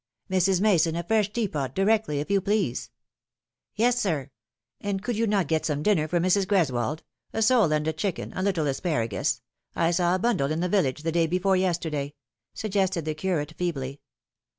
" Mrs. Mason, a fresh teapot, directly, if you please." "Yea, sir." How should I Greet Thee f 315 " And could you not get some dinner for Mrs. Greswold ? A Role and a chicken, a little asparagus. I saw a bundle in the village the day before yesterday," suggested the curate feebly.